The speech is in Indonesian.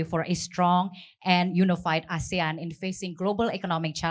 untuk asean yang kuat dan unifis di hadapan perantasan ekonomi global